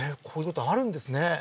こういうことあるんですね